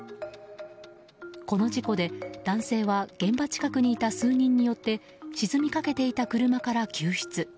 この事故で男性は現場近くにいた数人によって沈みかけていた車から救出。